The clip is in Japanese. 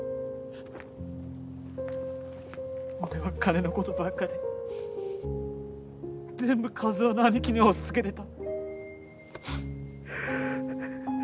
俺は金のことばっかで全部一魚の兄貴に押し付けてた。